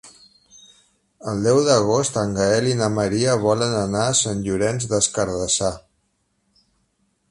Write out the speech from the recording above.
El deu d'agost en Gaël i na Maria volen anar a Sant Llorenç des Cardassar.